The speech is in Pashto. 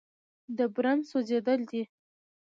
د برن سوځېدل دي.